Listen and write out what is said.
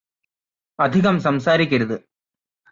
അധികം സംസാരിക്കരുത്